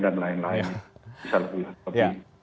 dan lain lain bisa lebih